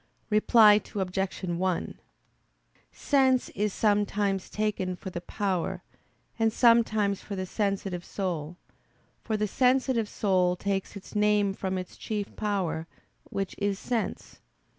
Reply Obj. 1: Sense is sometimes taken for the power, and sometimes for the sensitive soul; for the sensitive soul takes its name from its chief power, which is sense.